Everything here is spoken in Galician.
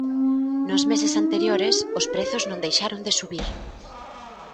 Nos meses anteriores os prezos non deixaron de subir.